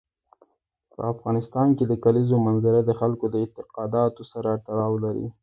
په افغانستان کې د کلیزو منظره د خلکو د اعتقاداتو سره تړاو لري.